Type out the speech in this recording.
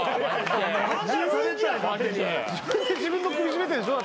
自分で自分の首絞めてるんでしょだって。